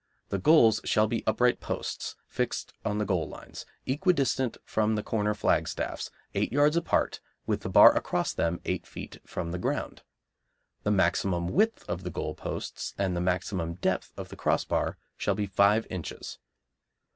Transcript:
The goals shall be upright posts fixed on the goal lines, equi distant from the corner flagstaffs, eight yards apart, with the bar across them eight feet from the ground. The maximum width of the goal posts and the maximum depth of the crossbar shall be five inches.